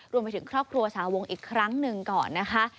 รวมไปถึงครอบครัวสาวงอีกครั้งหนึ่งก่อนนะคะ